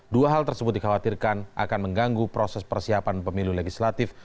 dua hal tersebut dikhawatirkan akan mengganggu proses persiapan pemilu legislatif